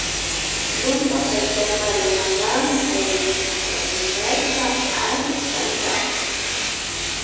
Rumpa haytayma rina kan ayllukunata pushashpa alli kankapa.